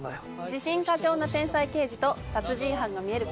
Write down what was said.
自信過剰な天才刑事と殺人犯の視える